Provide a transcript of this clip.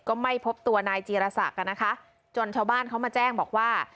ก็ไม่พบตัวนายจีรศักดิ์นะคะจนชาวบ้านเขามาแจ้งบอกว่า